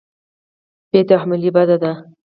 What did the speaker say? بې تحملي بد دی.